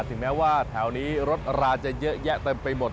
ถึงแม้ว่าแถวนี้รถราจะเยอะแยะเต็มไปหมด